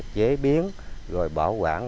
chế biến rồi bảo quản